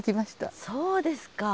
そうですか。